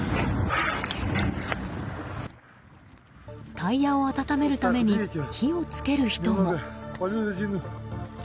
タイヤを温めるために火を付ける人も。